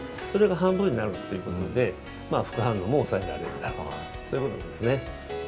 それが半分になるということで、副反応も抑えられるだろうということですね。